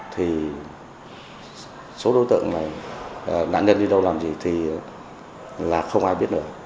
thì số đối tượng này nạn nhân đi đâu làm gì thì là không ai biết nữa